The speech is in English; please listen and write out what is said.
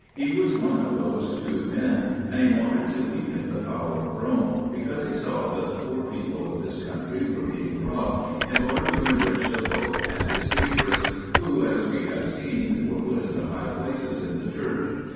He was one of those two men, and he wanted to weaken the power of Rome, because he saw that the poor people of this country were being robbed, in order to enrich the Pope and his favourites, who, as we have seen, were put into high places in the Church.